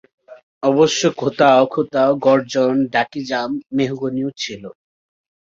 অবশ্য কোথাও কোথাও গর্জন, ঢাকিজাম, মেহগনিও ছিল।